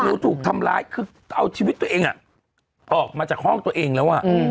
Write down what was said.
หนูถูกทำร้ายคือเอาชีวิตตัวเองออกมาจากห้องตัวเองแล้ว